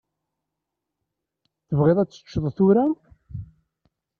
Tebɣiḍ ad teččeḍ tura?